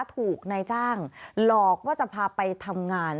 ถูกนายจ้างหลอกว่าจะพาไปทำงาน